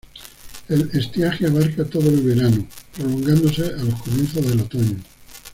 El estiaje abarca todo el verano, prolongándose a los comienzos del otoño.